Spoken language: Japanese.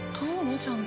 ちゃんと。